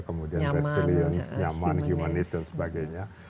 kemudian resilient nyaman humanist dan sebagainya